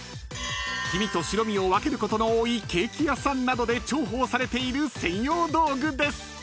［黄身と白身を分けることの多いケーキ屋さんなどで重宝されている専用道具です］